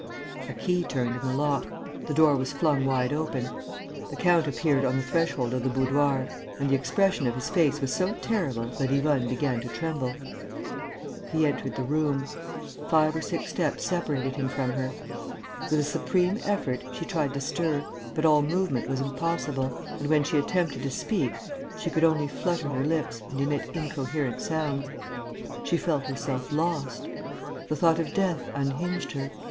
A key turned in the lock.... The door was flung wide open. The count appeared on the threshold of the boudoir. And the expression of his face was so terrible that Yvonne began to tremble. He entered the room. Five or six steps separated him from her. With a supreme effort, she tried to stir, but all movement was impossible; and, when she attempted to speak, she could only flutter her lips and emit incoherent sounds. She felt herself lost. The thought of death unhinged her.